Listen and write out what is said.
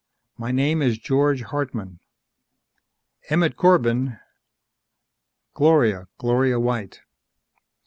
My name is George Hartman." "Emmett Corbin." "Gloria ... Gloria White."